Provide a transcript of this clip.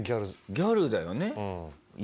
ギャルだよね。